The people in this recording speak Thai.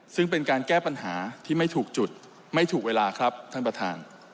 ซึ่งเป็นการแก้ปัญหาที่ไม่ถูกจุดไม่ถูกเวลาครับท่านประธาน